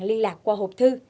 liên lạc qua hộp thư